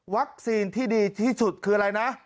วัคซีนที่ดีที่สุดคืออะไรนะ